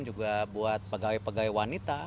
juga buat pegawai pegawai wanita